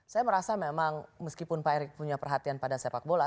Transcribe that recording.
saya merasa memang meskipun pak erick punya perhatian pada sepak bola